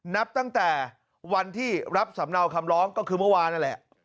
นับตั้งแต่วันที่รับสำเนาคำร้องก็คือเมื่อวานนั่นแหละ